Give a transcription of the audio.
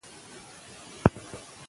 دا یو ډېر دروند او علمي اثر دی.